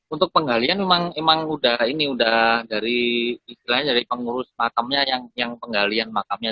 untuk penggalian memang udah ini udah dari istilahnya dari pengurus makamnya yang penggalian makamnya